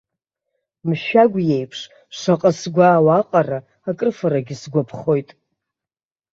Мшәагә иеиԥш, шаҟа сгәаауа аҟара акрыфарагьы сгәаԥхоит!